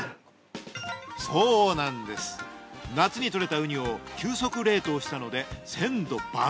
そうなんです夏に獲れたウニを急速冷凍したので鮮度抜群。